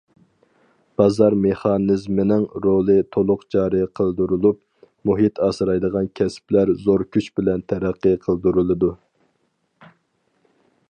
بازار مېخانىزمىنىڭ رولى تولۇق جارى قىلدۇرۇلۇپ، مۇھىت ئاسرايدىغان كەسىپلەر زور كۈچ بىلەن تەرەققىي قىلدۇرۇلىدۇ.